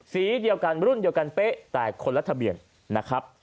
สีเดียวกันรุ่นเดียวกันเป๊ะแต่คนละทะเบียนนะครับ